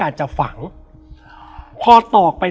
แล้วสักครั้งหนึ่งเขารู้สึกอึดอัดที่หน้าอก